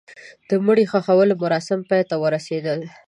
د مړي ښخولو مراسم پای ته ورسېدل.